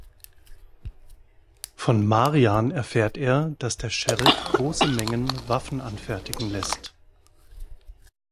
Von Marian erfährt er, dass der Sheriff große Mengen Waffen anfertigen lässt.